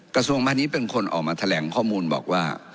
กระทรวงพาณิชย์เป็นคนออกมาแถลงข้อมูลบอกว่า